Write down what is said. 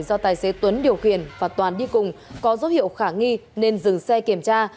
do tài xế tuấn điều khiển và toàn đi cùng có dấu hiệu khả nghi nên dừng xe kiểm tra